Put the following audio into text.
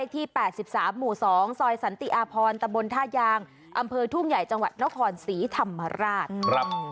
ที่๘๓หมู่๒ซอยสันติอาพรตะบนท่ายางอำเภอทุ่งใหญ่จังหวัดนครศรีธรรมราช